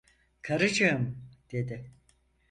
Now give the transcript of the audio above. "Karıcığım!" dedi.